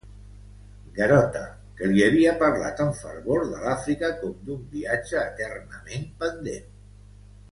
Garota, que li havia parlat amb fervor de l'Àfrica com d'un viatge eternament pendent.